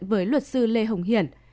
với luật sư lê hồng hiển